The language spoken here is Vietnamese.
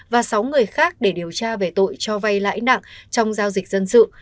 và sáu người khác để điều tra về tội cho vay lãi nặng trong giao dịch dân sự